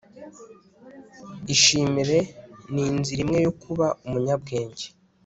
ishimire. ni inzira imwe yo kuba umunyabwenge